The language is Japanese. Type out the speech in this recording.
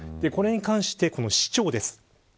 これに関して市長です。